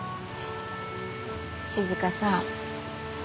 静さん